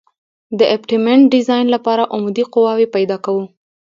د ابټمنټ ډیزاین لپاره عمودي قواوې پیدا کوو